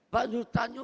pak nur tanyo